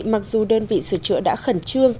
mặc dù đơn vị sửa chữa đã khẩn trương